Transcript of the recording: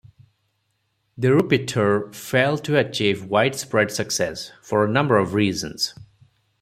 The Ruputer failed to achieve widespread success, for a number of reasons.